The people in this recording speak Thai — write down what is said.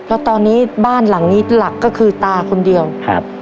แล้วตอนนี้บ้านหลังนี้หลักก็คือตาคนเดียวครับ